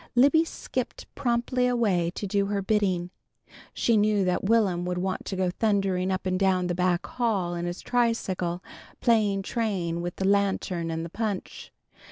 Libby skipped promptly away to do her bidding. She knew that Will'm would want to go thundering up and down the back hall in his tricycle, playing train with the lantern and the punch.